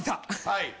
はい。